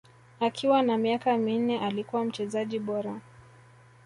Akiwa na miaka minne alikuwa mchezaji bora